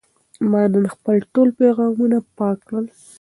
ما نن خپل ټول پیغامونه پاک کړل.